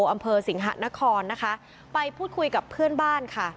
อำเภอสิงหะนครนะคะไปพูดคุยกับเพื่อนบ้านค่ะ